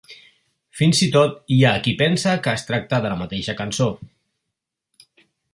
Fins i tot hi ha qui pensa que es tracta de la mateixa cançó.